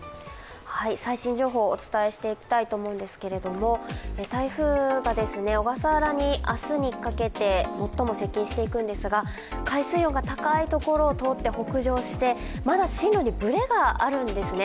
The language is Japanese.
最新情報をお伝えしていきたいと思うんですけれども、台風が小笠原に明日にかけて最も接近していくんですが海水温が高いところを通って北上してまだ進路にぶれがあるんですね。